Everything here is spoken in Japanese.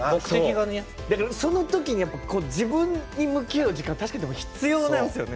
その時に、自分に向き合う時間確かに必要なんですよね。